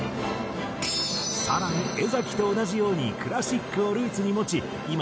更に江と同じようにクラシックをルーツに持ち今